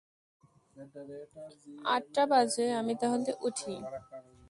আটটা বাজে, আমি তাহলে উঠি?